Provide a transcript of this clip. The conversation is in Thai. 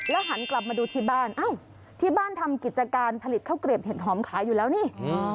หันกลับมาดูที่บ้านอ้าวที่บ้านทำกิจการผลิตข้าวเกลียบเห็ดหอมขายอยู่แล้วนี่